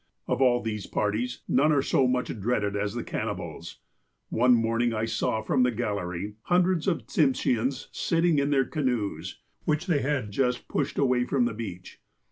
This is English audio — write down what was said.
" Of all these parties, none are so much dreaded as the canni bals. One morning I saw from the gallery hundreds of Tsimshe ans sitting in their canoes, which they had just pushed away from the beach.